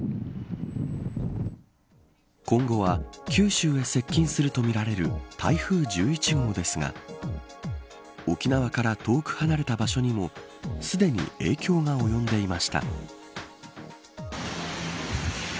今後は九州へ接近するとみられる台風１１号ですが沖縄から遠く離れた場所にもすでに影響が及んでいました。